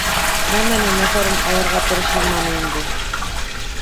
Нәмәнең насарын алырға тырышылманы инде.